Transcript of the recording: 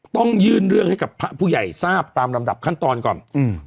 ต้องยื่นเรื่องให้กับพระผู้ใหญ่ทราบตามลำดับขั้นตอนก่อนอืม